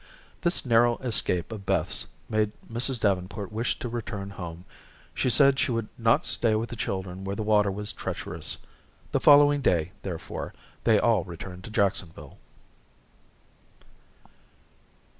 This narrow escape of Beth's made Mrs. Davenport wish to return home. She said she would not stay with the children where the water was treacherous. The following day, therefore, they all returned to Jacksonville.